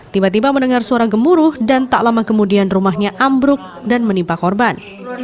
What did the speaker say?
tiba tiba mendengar suara gemuruh dan tak lama kemudian rumahnya ambruk dan menimpa korban